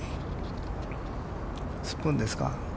スプーンですか。